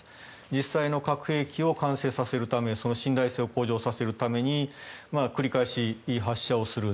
実際の核兵器を完成させるためその信頼性を向上させるため繰り返し発射をする。